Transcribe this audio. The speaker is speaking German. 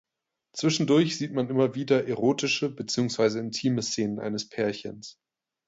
Zwischendurch sieht man immer wieder erotische beziehungsweise intime Szenen eines Pärchens.